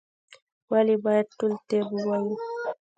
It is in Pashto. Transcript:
ولي باید ټول طب ووایو؟